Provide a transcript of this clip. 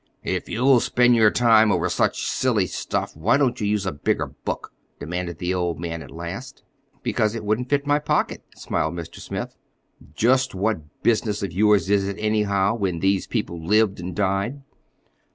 "If you will spend your time over such silly stuff, why don't you use a bigger book?" demanded the old man at last. "Because it wouldn't fit my pocket," smiled Mr. Smith. "Just what business of yours is it, anyhow, when these people lived and died?"